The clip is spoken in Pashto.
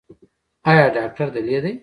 ایا ډاکټر دلې دی؟